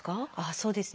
そうですね。